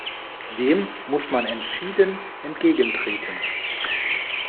Dem muss man entschieden entgegentreten!